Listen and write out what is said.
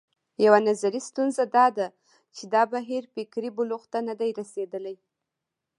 یوه نظري ستونزه دا ده چې دا بهیر فکري بلوغ ته نه دی رسېدلی.